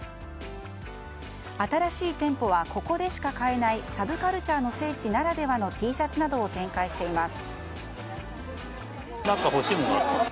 新しい店舗はここでしか買えないサブカルチャーの聖地ならではのＴシャツなどを展開しています。